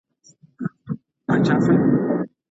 زما او ستا کورنۍ ته بد نوم منسوبيږي.